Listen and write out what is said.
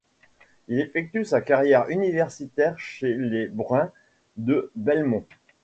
Il effectue sa carrière universitaire chez les Bruins de Belmont.